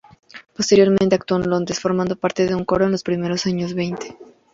Posteriormente actuó en Londres formando parte de un coro en los primeros años veinte.